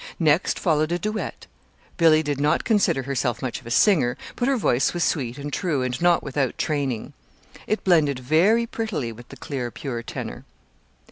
Next followed a duet. Billy did not consider herself much of a singer, but her voice was sweet and true, and not without training. It blended very prettily with the clear, pure tenor.